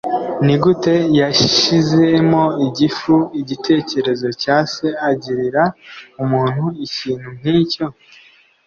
Nigute yashizemo igifu igitekerezo cya se agirira umuntu ikintu nkicyo?